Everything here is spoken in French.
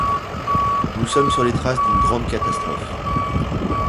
Nous sommes sur les traces d’une grande catastrophe.